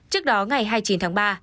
trước đó ngày hai mươi chín tháng ba